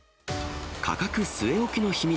価格据え置きの秘密